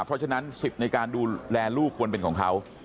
เพราะฉะนั้นสิทธิ์ในการดูแลลูกควรเป็นของเขา